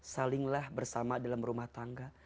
salinglah bersama dalam rumah tangga